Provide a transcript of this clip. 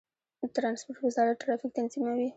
د ترانسپورت وزارت ټرافیک تنظیموي